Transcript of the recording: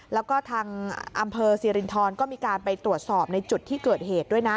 แล้วก็ทางอำเภอสิรินทรก็มีการไปตรวจสอบในจุดที่เกิดเหตุด้วยนะ